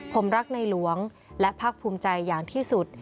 ผมรักในหลวงและภาคภูมิใจอย่างที่สุด